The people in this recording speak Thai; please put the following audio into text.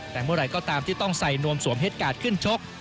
แต่เมื่อไหร่ก็ตามที่ต้องใส่นวมสวมเหตุการณ์ขึ้นชก